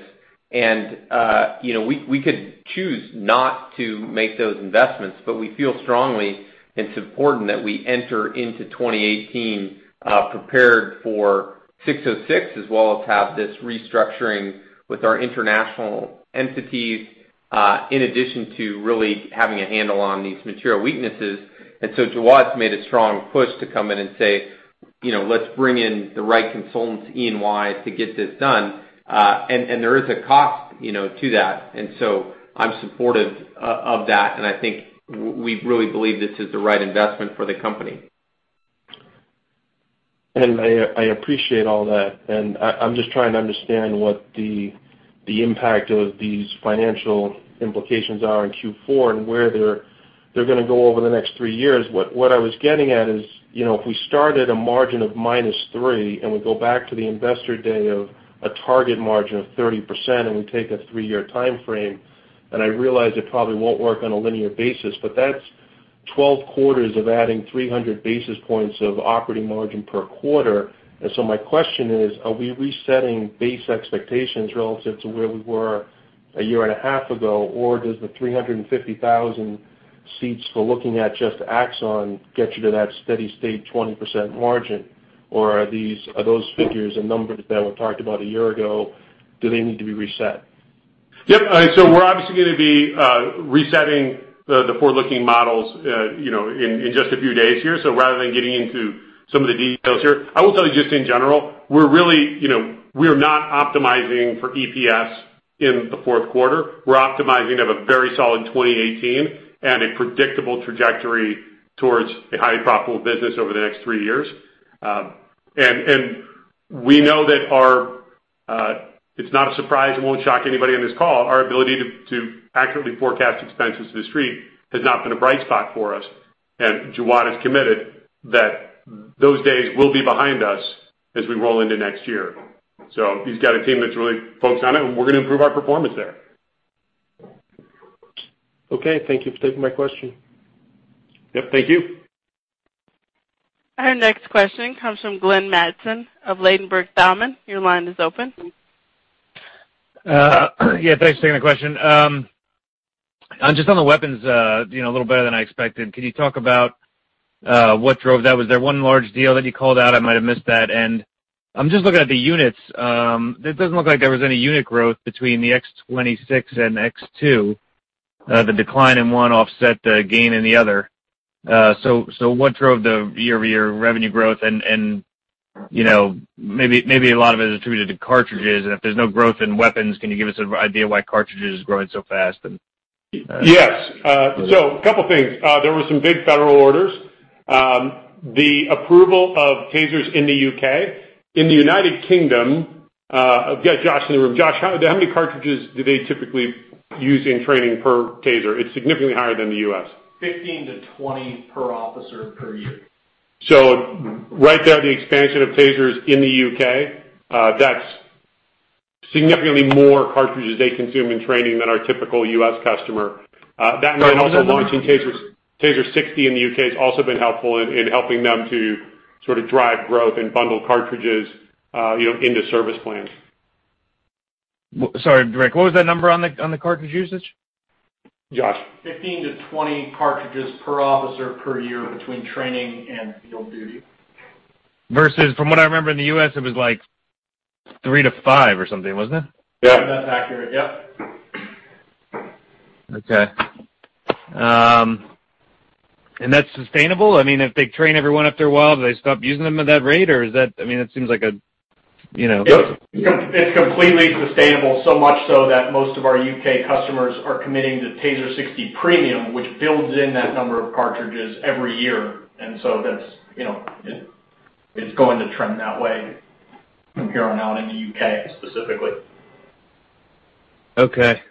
We could choose not to make those investments, but we feel strongly it's important that we enter into 2018 prepared for 606, as well as have this restructuring with our international entities, in addition to really having a handle on these material weaknesses. Jawad's made a strong push to come in and say, "Let's bring in the right consultants, E&Y, to get this done." There is a cost to that. I'm supportive of that, and I think we really believe this is the right investment for the company. I appreciate all that. I'm just trying to understand what the impact of these financial implications are in Q4 and where they're going to go over the next three years. What I was getting at is, if we start at a margin of -3 and we go back to the investor day of a target margin of 30%, and we take a three-year timeframe, and I realize it probably won't work on a linear basis, but that's 12 quarters of adding 300 basis points of operating margin per quarter. My question is, are we resetting base expectations relative to where we were a year and a half ago? Or does the 350,000 seats we're looking at just Axon get you to that steady state 20% margin? Or are those figures and numbers that were talked about a year ago, do they need to be reset? Yep. We're obviously going to be resetting the forward-looking models in just a few days here. Rather than getting into some of the details here, I will tell you just in general, we're not optimizing for EPS in the fourth quarter. We're optimizing of a very solid 2018 and a predictable trajectory towards a highly profitable business over the next three years. We know that our, it's not a surprise, it won't shock anybody on this call, our ability to accurately forecast expenses to The Street has not been a bright spot for us. Jawad is committed that those days will be behind us as we roll into next year. He's got a team that's really focused on it, and we're going to improve our performance there. Okay. Thank you for taking my question. Yep. Thank you. Our next question comes from Glenn Mattson of Ladenburg Thalmann. Your line is open. Yeah, thanks for taking the question. Just on the weapons, a little better than I expected, can you talk about what drove that? Was there one large deal that you called out? I might have missed that. I'm just looking at the units. It doesn't look like there was any unit growth between the TASER X26 and TASER X2. The decline in one offset the gain in the other. What drove the year-over-year revenue growth? Maybe a lot of it is attributed to cartridges. If there's no growth in weapons, can you give us an idea why cartridges is growing so fast? Yes. A couple things. There were some big federal orders. The approval of TASERs in the U.K. In the United Kingdom, I've got Josh in the room. Josh, how many cartridges do they typically use in training per TASER? It's significantly higher than the U.S. 15 to 20 per officer per year. Right there, the expansion of TASERs in the U.K., that's significantly more cartridges they consume in training than our typical U.S. customer. That, and then also launching TASER 60 in the U.K., has also been helpful in helping them to sort of drive growth and bundle cartridges into service plans. Sorry, Rick, what was that number on the cartridge usage? Josh. 15 to 20 cartridges per officer per year between training and field duty. Versus from what I remember in the U.S., it was like 3-5 or something, wasn't it? Yeah. That's accurate. Yep. Okay. That's sustainable? If they train everyone after a while, do they stop using them at that rate, or is that? It's completely sustainable, so much so that most of our U.K. customers are committing to TASER 60 Premium, which builds in that number of cartridges every year. So it's going to trend that way from here on out in the U.K. specifically. Okay.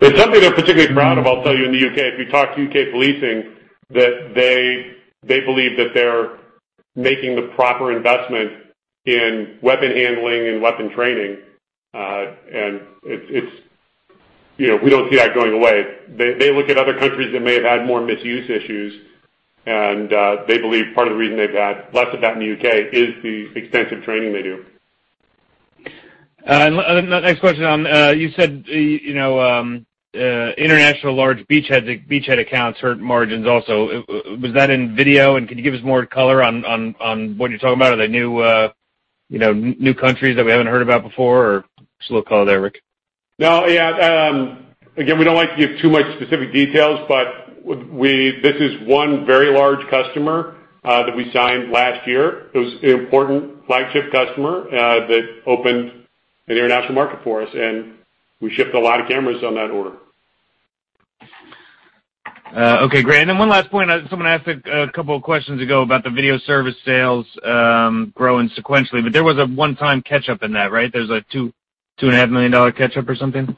It's something they're particularly proud of, I'll tell you, in the U.K. If you talk to U.K. policing, that they believe that they're making the proper investment in weapon handling and weapon training. We don't see that going away. They look at other countries that may have had more misuse issues, they believe part of the reason they've had less of that in the U.K. is the extensive training they do. The next question. You said international large beachhead accounts hurt margins also. Was that in video, and could you give us more color on what you're talking about? Are they new countries that we haven't heard about before? Just a little color there, Rick. No, yeah. Again, we don't like to give too much specific details, this is one very large customer that we signed last year. It was an important flagship customer that opened an international market for us, we shipped a lot of cameras on that order. Okay, great. One last point. Someone asked a couple of questions ago about the video service sales growing sequentially, there was a one-time catch-up in that, right? There's a $2.5 million catch-up or something?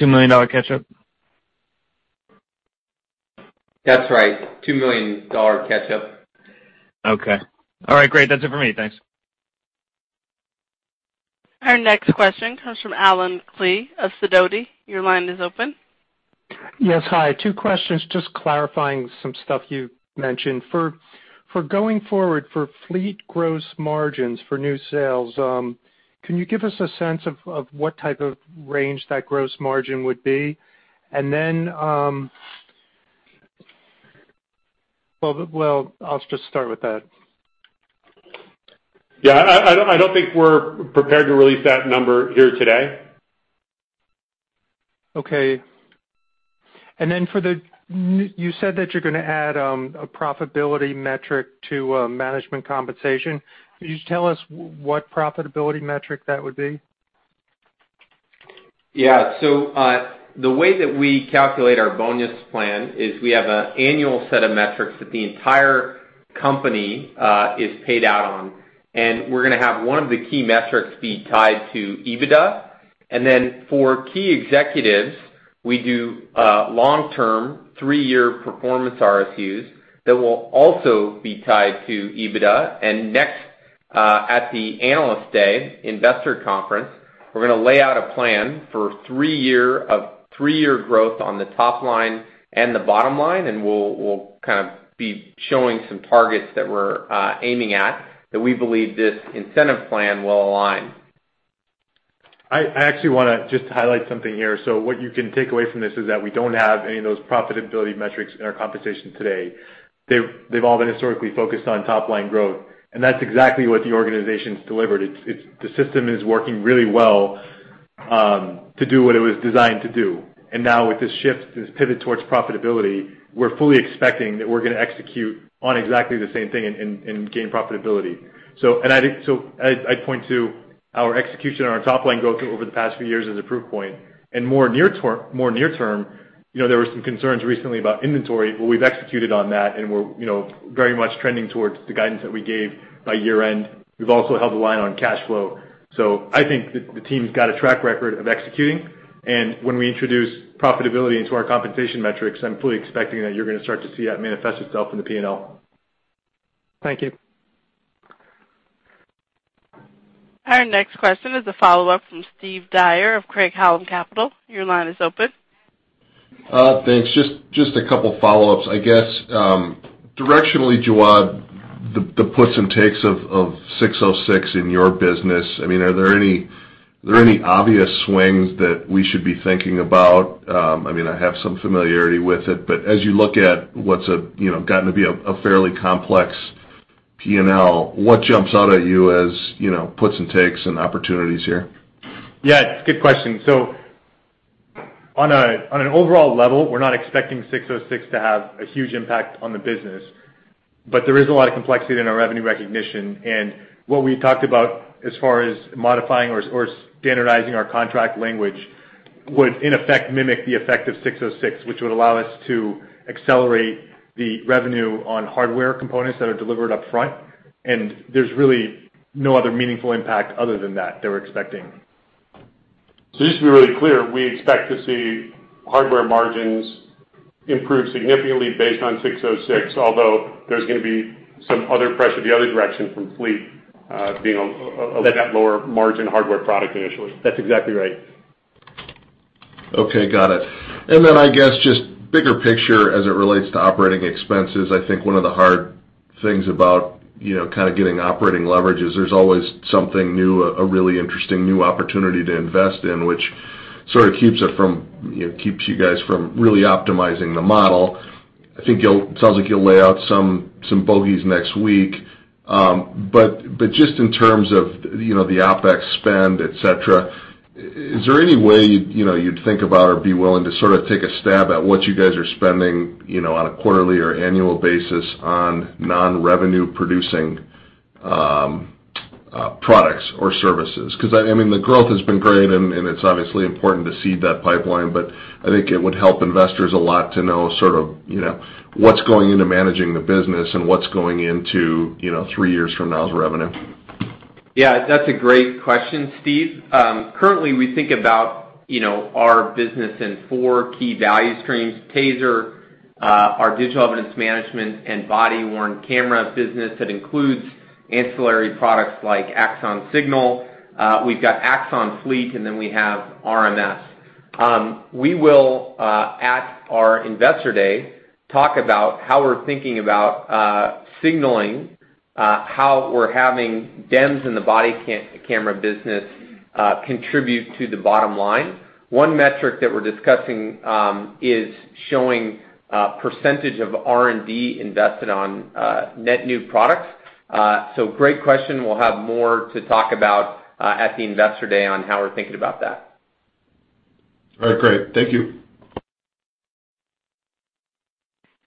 $2 million catch-up? That's right. $2 million catch-up. Okay. All right. Great. That's it for me. Thanks. Our next question comes from Allen Klee of Sidoti & Company. Your line is open. Yes. Hi. Two questions just clarifying some stuff you mentioned. For going forward, for Fleet gross margins for new sales, can you give us a sense of what type of range that gross margin would be? Then, well, I'll just start with that. Yeah. I don't think we're prepared to release that number here today. Okay. You said that you're going to add a profitability metric to management compensation. Could you just tell us what profitability metric that would be? Yeah. The way that we calculate our bonus plan is we have an annual set of metrics that the entire company is paid out on, and we're going to have one of the key metrics be tied to EBITDA. For key executives, we do long-term, three-year performance RSUs that will also be tied to EBITDA. Next, at the Analyst Day investor conference, we're going to lay out a plan for three-year growth on the top line and the bottom line, and we'll kind of be showing some targets that we're aiming at that we believe this incentive plan will align. I actually want to just highlight something here. What you can take away from this is that we don't have any of those profitability metrics in our compensation today. They've all been historically focused on top-line growth, and that's exactly what the organization's delivered. The system is working really well to do what it was designed to do. With this shift, this pivot towards profitability, we're fully expecting that we're going to execute on exactly the same thing and gain profitability. I'd point to our execution on our top-line growth over the past few years as a proof point. More near term, there were some concerns recently about inventory. Well, we've executed on that, and we're very much trending towards the guidance that we gave by year-end. We've also held the line on cash flow. I think that the team's got a track record of executing, and when we introduce profitability into our compensation metrics, I'm fully expecting that you're going to start to see that manifest itself in the P&L. Thank you. Our next question is a follow-up from Steve Dyer of Craig-Hallum Capital. Your line is open. Thanks. Just a couple follow-ups. I guess, directionally, Jawad, the puts and takes of 606 in your business, are there any obvious swings that we should be thinking about? I have some familiarity with it, but as you look at what's gotten to be a fairly complex P&L, what jumps out at you as puts and takes and opportunities here? It's a good question. On an overall level, we're not expecting ASC 606 to have a huge impact on the business, but there is a lot of complexity in our revenue recognition. What we talked about as far as modifying or standardizing our contract language would, in effect, mimic the effect of ASC 606, which would allow us to accelerate the revenue on hardware components that are delivered upfront. There's really no other meaningful impact other than that we're expecting. Just to be really clear, we expect to see hardware margins improve significantly based on ASC 606, although there's going to be some other pressure the other direction from Axon Fleet being. Yes lower-margin hardware product initially. That's exactly right. Okay, got it. I guess, just bigger picture as it relates to operating expenses, I think one of the hard things about kind of getting operating leverage is there is always something new, a really interesting new opportunity to invest in, which sort of keeps you guys from really optimizing the model. It sounds like you will lay out some bogeys next week. Just in terms of the OpEx spend, et cetera, is there any way you would think about or be willing to sort of take a stab at what you guys are spending on a quarterly or annual basis on non-revenue producing products or services? The growth has been great, and it is obviously important to seed that pipeline, but I think it would help investors a lot to know sort of what is going into managing the business and what is going into three years from now as revenue. That is a great question, Steve. Currently, we think about our business in four key value streams: TASER, our digital evidence management and body-worn camera business that includes ancillary products like Axon Signal. We have Axon Fleet, and then we have RMS. We will, at our Investor Day, talk about how we are thinking about signaling how we are having DEMS in the body camera business contribute to the bottom line. One metric that we are discussing is showing percentage of R&D invested on net new products. Great question. We will have more to talk about at the Investor Day on how we are thinking about that. Great. Thank you.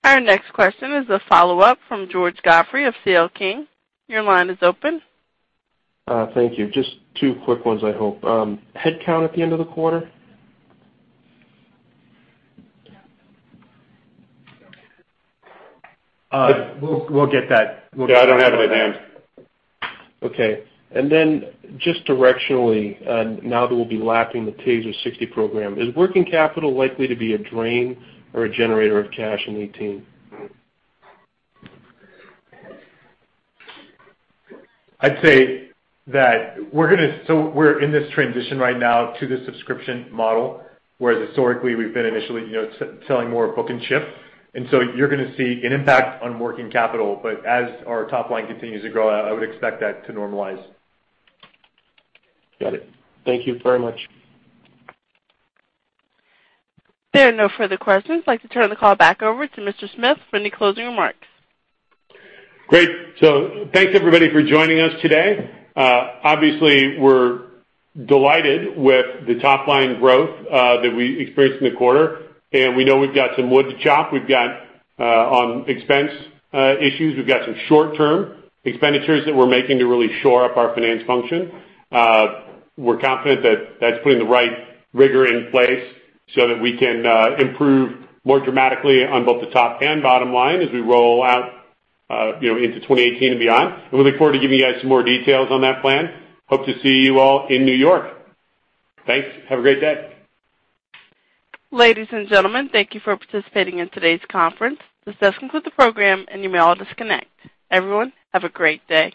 Our next question is a follow-up from George Godfrey of C.L. King. Your line is open. Thank you. Just two quick ones, I hope. Headcount at the end of the quarter? We'll get that. Yeah, I don't have it at hand. Okay. Just directionally, now that we'll be lapping the TASER 60 program, is working capital likely to be a drain or a generator of cash in 2018? I'd say that we're in this transition right now to the subscription model, whereas historically, we've been initially selling more book and ship. You're going to see an impact on working capital, but as our top line continues to grow, I would expect that to normalize. Got it. Thank you very much. There are no further questions. I'd like to turn the call back over to Mr. Smith for any closing remarks. Great. Thanks everybody for joining us today. Obviously, we're delighted with the top-line growth that we experienced in the quarter, and we know we've got some wood to chop. We've got on expense issues, we've got some short-term expenditures that we're making to really shore up our finance function. We're confident that that's putting the right rigor in place so that we can improve more dramatically on both the top and bottom line as we roll out into 2018 and beyond. We look forward to giving you guys some more details on that plan. Hope to see you all in New York. Thanks. Have a great day. Ladies and gentlemen, thank you for participating in today's conference. This does conclude the program, and you may all disconnect. Everyone, have a great day.